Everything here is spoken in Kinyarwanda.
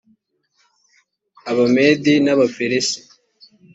abamedi n abaperesi